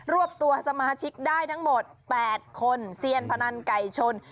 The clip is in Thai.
วบตัวสมาชิกได้ทั้งหมด๘คนเซียนพนันไก่ชน